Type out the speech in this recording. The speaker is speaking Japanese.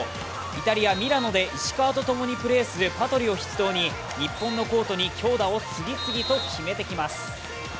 イタリア・ミラノで石川とプレーするパトリを筆頭に日本のコートに強打を次々と決めてきます。